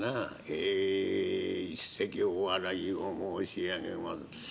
「ええ一席お笑いを申し上げます。